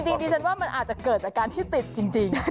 ดิฉันว่ามันอาจจะเกิดจากการที่ติดจริง